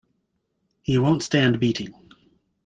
He won’t stand beating.